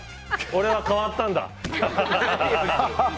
俺は変わったんだ。